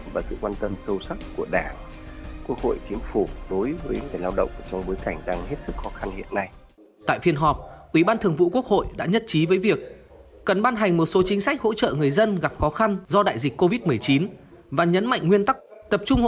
và nhấn mạnh nguyên tắc tập trung hỗ trợ người dân gặp khó khăn do đại dịch covid một mươi chín